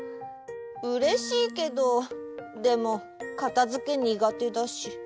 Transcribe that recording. うれしいけどでもかたづけにがてだし。